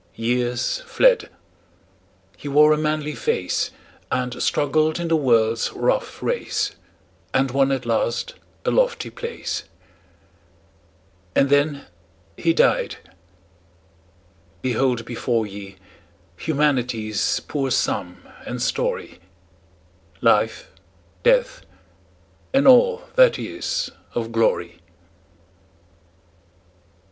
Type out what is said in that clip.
Years fled; he wore a manly face, And struggled in the world's rough race, And won at last a lofty place. And then he died! Behold before ye Humanity's poor sum and story; Life, Death, and all that is of glory.